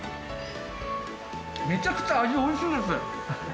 めちゃくちゃ味おいしいです。